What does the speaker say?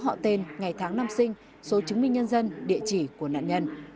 họ tên ngày tháng năm sinh số chứng minh nhân dân địa chỉ của nạn nhân